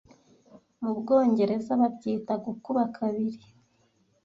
mubwongereza babyita gukuba kabiri